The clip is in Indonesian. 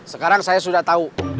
sekarang saya sudah tahu